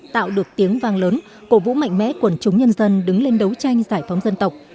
tạo được tiếng vang lớn cổ vũ mạnh mẽ quần chúng nhân dân đứng lên đấu tranh giải phóng dân tộc